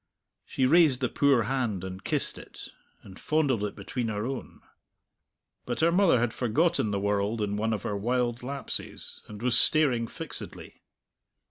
She raised the poor hand and kissed it, and fondled it between her own. But her mother had forgotten the world in one of her wild lapses, and was staring fixedly.